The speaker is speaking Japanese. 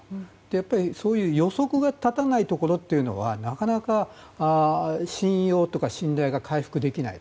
やっぱり、そういう予測が立たないところがあるとなかなか信用、信頼が回復できない。